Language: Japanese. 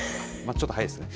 ちょっと早いですね。